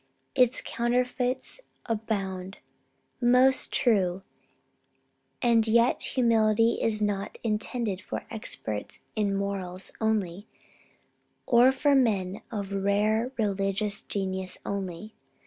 Its counterfeits abound." Most true. And yet humility is not intended for experts in morals only, or for men of a rare religious genius only.